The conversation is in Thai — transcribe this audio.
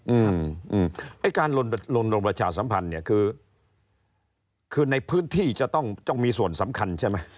อืมไอ้การลนลงประชาสัมพันธ์เนี่ยคือคือในพื้นที่จะต้องต้องมีส่วนสำคัญใช่ไหม